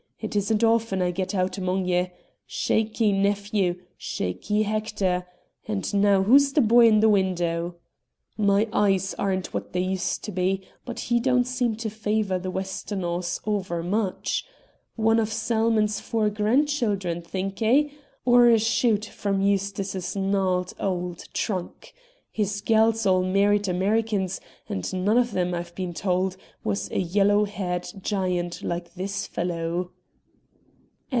It isn't often I get out among ye. Shakee, nephew! Shakee, Hector! And now who's the boy in the window? My eyes aren't what they used to be, but he don't seem to favor the Westonhaughs over much. One of Salmon's four grandchildren, think 'e? Or a shoot from Eustace's gnarled old trunk? His gals all married Americans, and one of them, I've been told, was a yellow haired giant like this fellow."